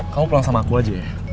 kamu pulang sama aku aja ya